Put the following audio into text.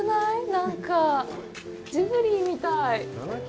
なんか、ジブリみたい。